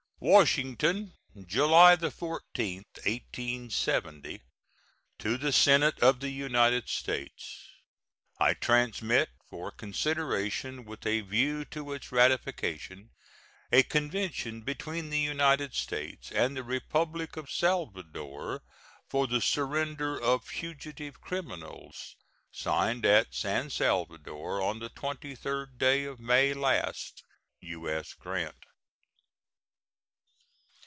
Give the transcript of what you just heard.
WASHINGTON, July 14, 1870. To the Senate of the United States: I transmit, for consideration with a view to its ratification, a convention between the United States and the Republic of Salvador for the surrender of fugitive criminals, signed at San Salvador on the 23d day of May last. U.S. GRANT.